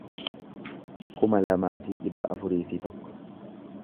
kuma lamaa fi dhibba afurii fi tokko